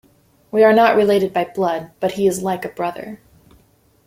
We are not related by blood, but he is like a brother.